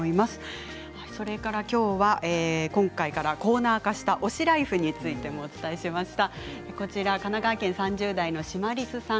それから今回からコーナー化した推しライフについてもお伝えしました。